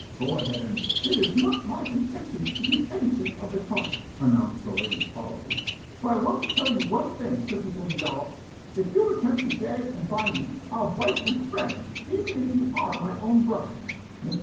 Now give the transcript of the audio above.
Go ahead and " "It is not my intention to do anything of the kind," announced the lady haughtily. "But I want to tell you one thing, Crittenden Yollop. If you attempt to gag and bind me, I'll bite and scratch, even if you are my own brother." Mr.